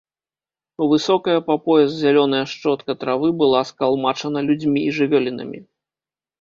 Высокая па пояс зялёная шчотка травы была скалмачана людзьмі і жывёлінамі.